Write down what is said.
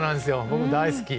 僕、大好き！